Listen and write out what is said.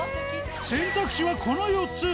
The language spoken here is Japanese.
選択肢はこの４つ。